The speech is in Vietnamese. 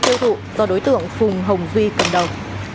tiêu thụ do đối tượng phùng hồng duy cầm đầu